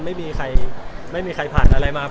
ไม่มีใครผ่านอะไรมา